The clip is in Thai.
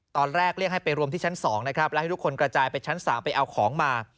ตอนแรกเรียกให้ไปรวมที่ชั้น๒นะครับแล้วให้ทุกคนกระจายไปชั้น๓ไปเอาของมา